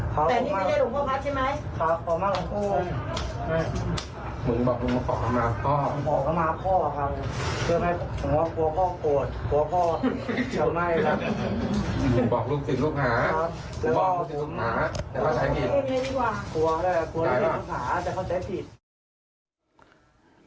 กลัวได้แต่พ่อใช้ผิด